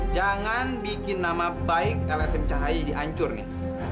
jangan bikin nama baik lsm cahaya dihancur nih